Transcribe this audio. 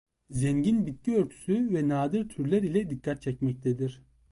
Zengin bitki örtüsü ve nadir türler ile dikkat çekmektedir.